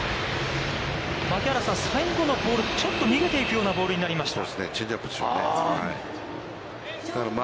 槙原さん、最後のボール、ちょっと逃げて行くようなボールになりました。